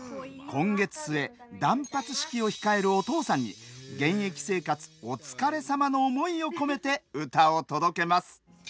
今月末断髪式を控えるお父さんに現役生活お疲れさまの思いを込めて歌を届けます。